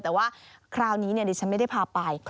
แต่ว่าคราวนี้ดิฉันไม่ได้พาไป